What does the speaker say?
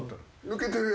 抜けてる。